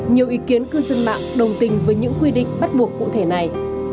nhiều ý kiến cư dân mạng đồng tình với những quy định bắt buộc cụ thể này